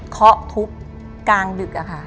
เขาทุบกลางดึกอะค่ะ